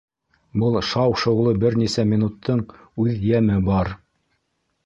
Был шау-шыулы бер нисә минуттың үҙ йәме бар.